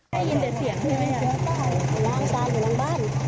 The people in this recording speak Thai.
ได้ยินเดี๋ยวเสียงได้ยินไหม